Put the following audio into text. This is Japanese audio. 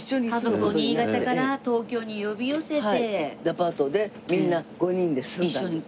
家族を新潟から東京に呼び寄せて。